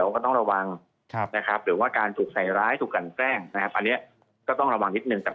พอตอนนี้ก็ต้องระวังนิดนึง